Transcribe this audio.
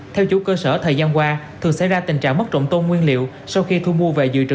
theo chủ cơ sở thời gian qua thường xảy ra tình trạng mất trộm tôm nguyên liệu sau khi thu mua về dự trữ